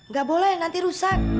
gak boleh nanti rusak